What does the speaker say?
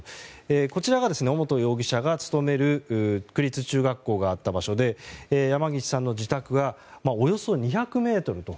こちらが尾本容疑者が勤める区立中学校があった場所で山岸さんの自宅がおよそ２００ｍと。